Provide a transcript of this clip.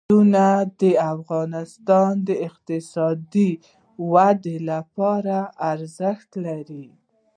سیندونه د افغانستان د اقتصادي ودې لپاره ارزښت لري.